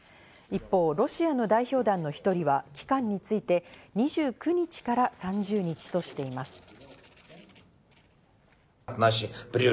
一方、ロシアの代表団の１人は期間について２９日から３０日としています。